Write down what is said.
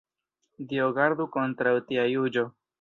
Dio gardu kontraŭ tia juĝo.